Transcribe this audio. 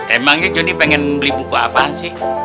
emangnya joni pengen beli buku apaan sih